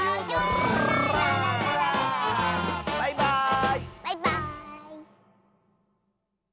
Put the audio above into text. バイバーイ！